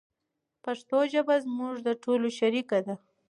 پښتو ژبه زموږ د ټولو شریکه ده.